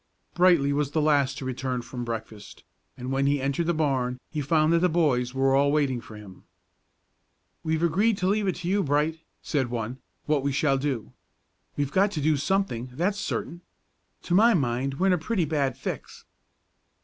Brightly was the last to return from breakfast, and when he entered the barn he found that the boys were all waiting for him. "We've agreed to leave it to you, Bright," said one, "what we shall do. We've got to do something, that's certain. To my mind we're in a pretty bad fix."